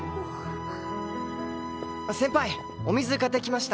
先輩お水買ってきました。